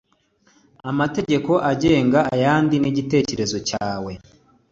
AMATEGEKO AGENGA IYANDIKA RY'IGITEKEREZO CYAWE